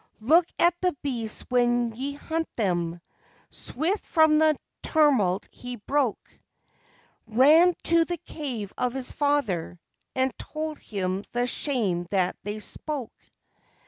Look at the beasts when ye hunt them!" Swift from the tumult he broke, Ran to the cave of his father and told him the shame that they spoke.